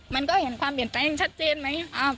มันก็เห็นความเปลี่ยนแปลงยังชัดเจนไหม